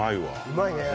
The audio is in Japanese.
うまいね。